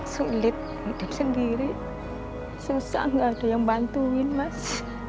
sulit hidup sendiri susah nggak ada yang bantuin mas